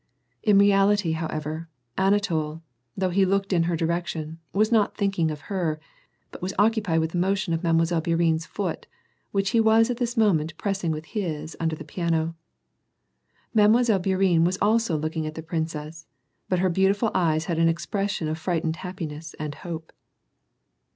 In reality, however, Anatol, though he looked in her direction, was not thinking of her, but was occupied with the motion of Mile. Bourienne's foot, which he was at this moment pressing with his under the piano. Mile. Bourienne was also looking at the princess, but her beautiful eyes had an expres sion of frightened happiness and hope.